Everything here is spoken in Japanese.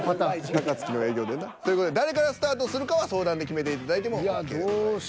高槻の営業でな。という事で誰からスタートするかは相談で決めていただいてもＯＫでございます。